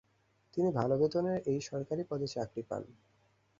তিনি ভালো বেতনের এই সরকারি পদে চাকরি পান।